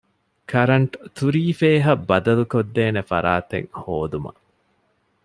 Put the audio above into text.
ކަރަންޓް ތުރީފޭހަށް ބަދަލުކޮށްދޭނެ ފަރާތެއް ހޯދުމަށް